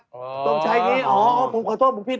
ตรงชายนี้อ๋อผมขอโทษผมพลิก